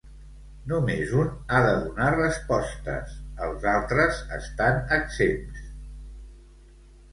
Només un ha de donar respostes, els altres estan exempts.